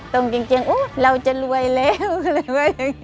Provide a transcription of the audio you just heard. ตรงจริงเราจะรวยแล้ว